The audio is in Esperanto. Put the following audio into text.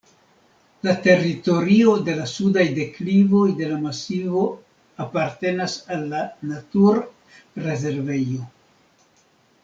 La teritorio de la sudaj deklivoj de la masivo apartenas al la natur-rezervejo.